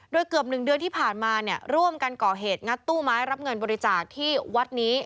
โดยเกือบ๑เดือนที่ผ่านมาเนี่ยร่วมกันก่อเหตุงัดตู้ไม้รับเงินบริจาคที่วัดนี้